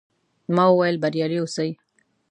ما وویل، بریالي اوسئ.